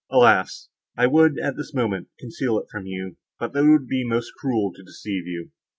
Alas! I would, at this moment, conceal it from you, but that it would be most cruel to deceive you.